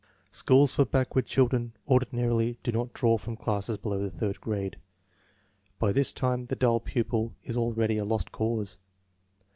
Schools for backward children ordinarily do not draw from classes below the third grade. By this time the dull pupil is already a lost cause.